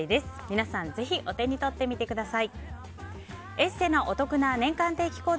皆さんぜひお手に取ってみてください。